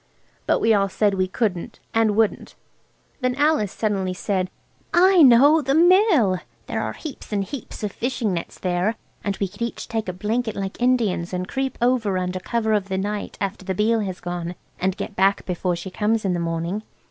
But we all said we couldn't and wouldn't. Then Alice suddenly said– "I know! The Mill. There are heaps and heaps of fishing nets there, and we could each take a blanket like Indians and creep over under cover of the night after the Beale has gone, and get back before she comes in the morning."